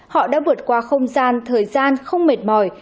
họ đã vượt qua không gian thời gian không mệt mỏi